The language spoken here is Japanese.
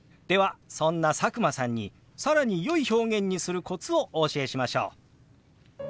そんな佐久間さんに更によい表現にするコツをお教えしましょう。